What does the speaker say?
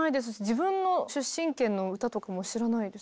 自分の出身県の歌とかも知らないです。